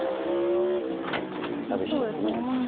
寂しいですね。